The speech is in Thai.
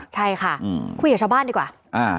ใช่ค่ะคุยกับชาวบ้านดีกว่า